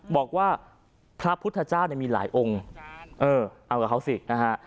บอกว่าพระพุทธเจ้าเนี่ยมีหลายองค์เออเอากับเขาสินะฮะ